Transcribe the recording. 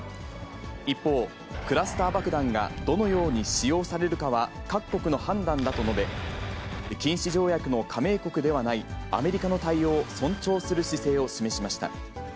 一方、クラスター爆弾がどのように使用されるかは各国の判断だと述べ、禁止条約の加盟国ではないアメリカの対応を尊重する姿勢を示しました。